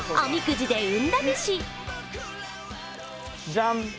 じゃん！